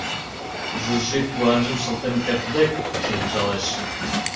Жужи куанжым шылтен кертде шыргыжалеш.